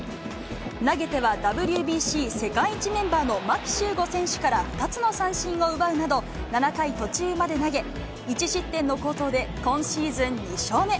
投げてはＷＢＣ世界一メンバーの牧秀悟選手から２つの三振を奪うなど、７回途中まで投げ、１失点の好投で今シーズン２勝目。